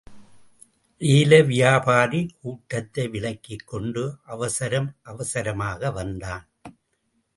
ஏல வியாபாரி, கூட்டத்தை விலக்கிக் கொண்டு அவசரம் அவசரமாக வந்தான்.